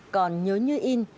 còn nhớ như in